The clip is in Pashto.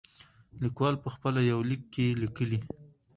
ليکوال په خپل يونليک کې ليکي.